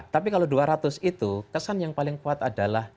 tapi kalau dua ratus itu kesan yang paling kuat adalah